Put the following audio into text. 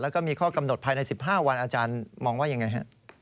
แล้วก็มีข้อกำหนดภายใน๑๕วันอาจารย์มองว่ายังไงฮะ